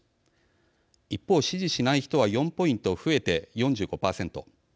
一方、支持しない人は４ポイント増えて４５％。